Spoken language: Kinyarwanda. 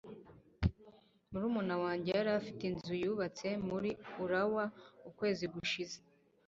Murumuna wanjye yari afite inzu yubatswe muri Urawa ukwezi gushize.